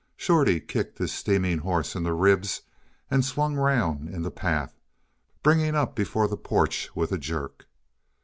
Shorty kicked his steaming horse in the ribs and swung round in the path, bringing up before the porch with a jerk.